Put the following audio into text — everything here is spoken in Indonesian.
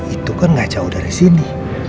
itu kan gak jauh dari sini